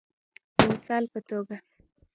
د مثال په توګه